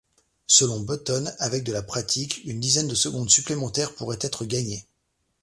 Selon Button, avec de la pratique, une dizaine de secondes supplémentaires pourraient être gagnées.